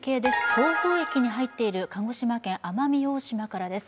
暴風域に入っている鹿児島県・奄美大島からです。